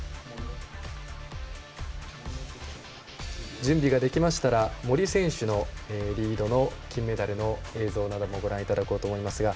準備ができましたら森選手のリードの金メダルの映像をご覧いただこうと思います。